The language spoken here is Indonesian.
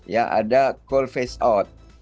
ya ada call phase out